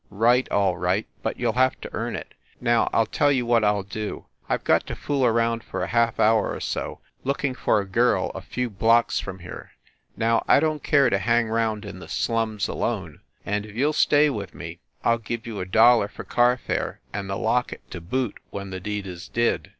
"Right, all right ; but you ll have to earn it. Now I ll tell you what I ll do. I ve got to fool around for a half hour or so, looking for a girl a few blocks from here. Now I don t care to hang round in the slums alone, and if you ll stay with me I ll give you a dollar for car fare and the locket to boot when the deed is did.